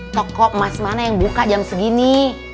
toko emas mana yang buka jam segini